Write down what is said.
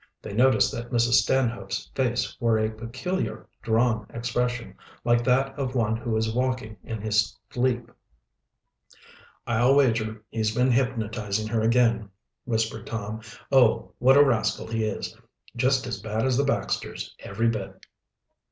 They noticed that Mrs. Stanhope's face wore a peculiar, drawn expression, like that of one who is walking in his sleep. "I'll wager he's been hypnotizing her again," whispered Tom. "Oh, what a rascal he is! Just as bad as the Baxters, every bit!"